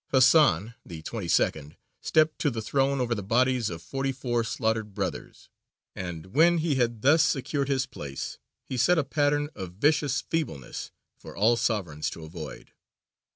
Hasan, the twenty second, stepped to the throne over the bodies of forty four slaughtered brothers, and when he had thus secured his place he set a pattern of vicious feebleness for all sovereigns to avoid.